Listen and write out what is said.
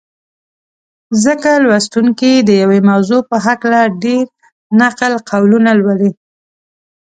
ځکه لوستونکي د یوې موضوع په هکله ډېر نقل قولونه لولي.